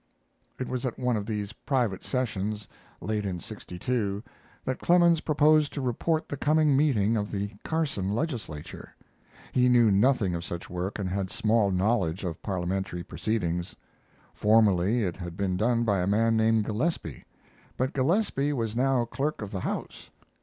It was at one of these private sessions, late in '62, that Clemens proposed to report the coming meeting of the Carson legislature. He knew nothing of such work and had small knowledge of parliamentary proceedings. Formerly it had been done by a man named Gillespie, but Gillespie was now clerk of the house.